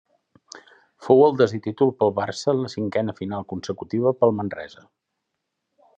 Fou el desè títol pel Barça en la cinquena final consecutiva pel Manresa.